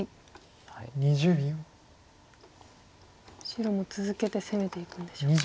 白も続けて攻めていくんでしょうか。